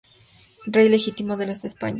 Rey legítimo de las Españas.